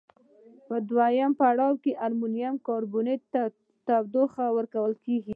په دویم پړاو کې امونیم کاربامیت ته تودوخه ورکول کیږي.